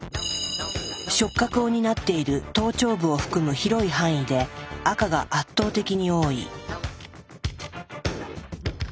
触覚を担っている頭頂部を含む広い範囲で赤が圧倒的に多い。